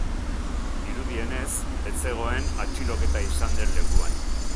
Dirudienez, ez zegoen atxiloketa izan den lekuan.